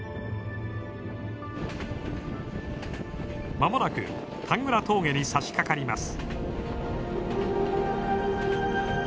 間もなくタングラ峠にさしかかります。